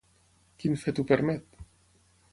Quin fet ho permet?